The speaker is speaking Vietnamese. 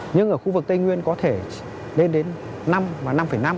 nhưng ở khu vực tây nguyên có thể lên đến năm và năm năm